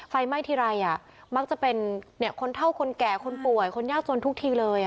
ไฟไหม้ทีไรมักจะเป็นคนเท่าคนแก่คนป่วยคนยากจนทุกทีเลย